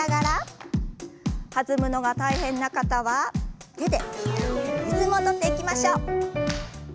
弾むのが大変な方は手でリズムを取っていきましょう。